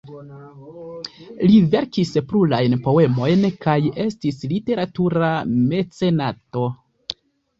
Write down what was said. Li verkis plurajn poemojn kaj estis literatura mecenato.